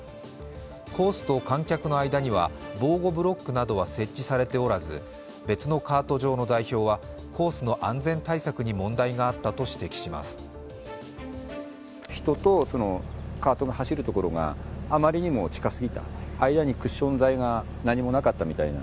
コースと観客の間には防護ブロックなどは設置されておらず別のカート場の代表はコースの安全対策に問題があったと指摘します。